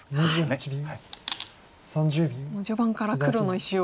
序盤から黒の石を。